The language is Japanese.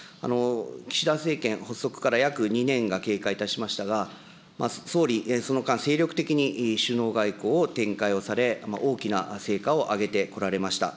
岸田政権発足から約２年が経過いたしましたが、総理、その間、精力的に首脳外交を展開をされ、大きな成果を上げてこられました。